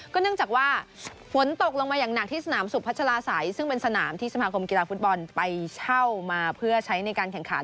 เนื่องจากว่าฝนตกลงมาอย่างหนักที่สนามสุพัชลาศัยซึ่งเป็นสนามที่สมาคมกีฬาฟุตบอลไปเช่ามาเพื่อใช้ในการแข่งขัน